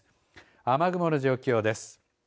雨雲の状況です。